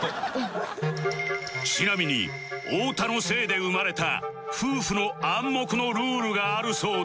ちなみに太田のせいで生まれた夫婦の暗黙のルールがあるそうで